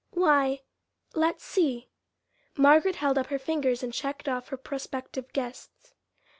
"Why, let's see." Margaret held up her fingers and checked off her prospective guests.